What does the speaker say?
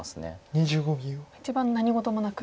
一番何事もなく。